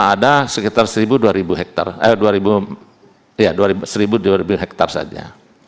cuma ada sekitar seribu dua ribu hektare eh dua ribu ya seribu dua ribu hektare saja